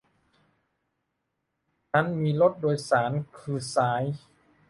นั้นมีรถโดยสารคือสาย